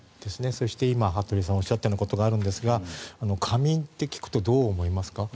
そして、今、羽鳥さんがおっしゃったようなことがあるんですが過眠って聞くとどう思いますか？